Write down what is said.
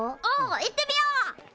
お行ってみよう。